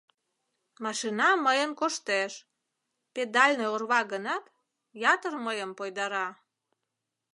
Машина мыйын коштеш, педальный орва гынат, ятыр мыйым пойдара.